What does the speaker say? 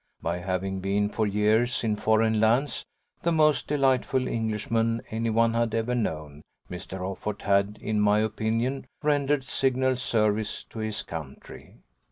By having been for years, in foreign lands, the most delightful Englishman any one had ever known, Mr. Offord had in my opinion rendered signal service to his country.